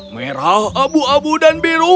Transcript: merah abu abu dan biru